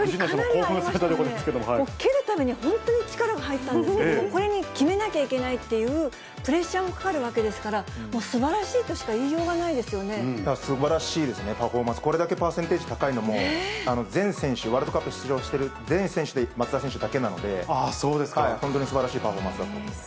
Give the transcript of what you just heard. もう蹴るために本当に力が入ってたんですけど、これで決めなきゃいけないっていうプレッシャーもかかるわけですから、もうすばらしいとしか言いようがないですばらしいですね、パフォーマンス、これだけパーセンテージ高いのも、全選手、ワールドカップ出場している全選手で松田選手だけなので、本当にすばらしいパフォーマンスだったと思います。